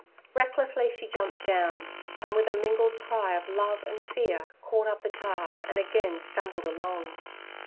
Recklessly she jumped down, and, with a mingled cry of love and fear, caught up the child and again stumbled along.